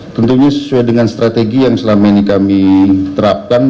tentunya sesuai dengan strategi yang selama ini kami terapkan